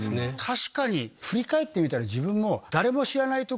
確かに振り返ってみたら自分も。